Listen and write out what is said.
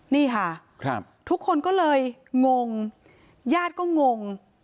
นี่ค่ะทุกคนก็เลยงงญาติก็งง